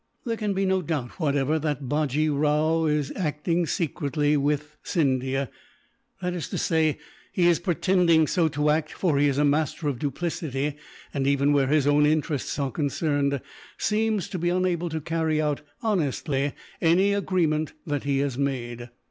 "There can be no doubt, whatever, that Bajee Rao is acting secretly with Scindia; that is to say, he is pretending so to act, for he is a master of duplicity and, even where his own interests are concerned, seems to be unable to carry out, honestly, any agreement that he has made.